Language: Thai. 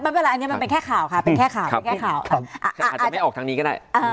ไม่เป็นไรอันนี้มันแค่ข่าวค่ะอาจจะไม่ออกทางนี้ก็ได้